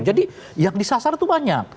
jadi yang disasar itu banyak